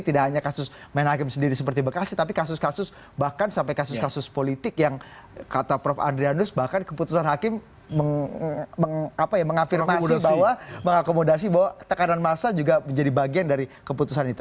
tidak hanya kasus main hakim sendiri seperti bekasi tapi kasus kasus bahkan sampai kasus kasus politik yang kata prof adrianus bahkan keputusan hakim mengafirmasi bahwa mengakomodasi bahwa tekanan massa juga menjadi bagian dari keputusan itu